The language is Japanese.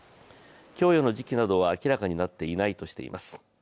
供与の時期などは明らかになっていないとしています。